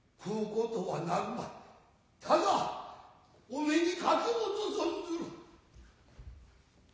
ただお目にかきょうと存ずる。